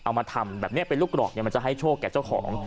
เอามาทำแบบนี้เป็นลูกกรอกมันจะให้โชคแก่เจ้าของ